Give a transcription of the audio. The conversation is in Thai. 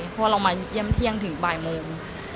เพราะว่าเรามาเยี่ยมเที่ยงถึงบ่ายโมง